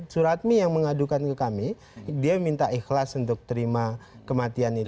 suratmi yang mengadukan ke kami dia minta ikhlas untuk terima kematian itu